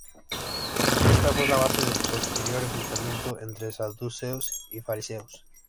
Esta fue la base del posterior enfrentamiento entre Saduceos y Fariseos.